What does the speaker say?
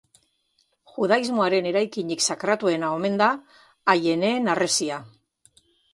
Judaismoaren eraikinik sakratuena omen da Aieneen Harresia.